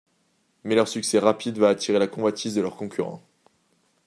Mais leur succès rapide va attirer la convoitise de leurs concurrents.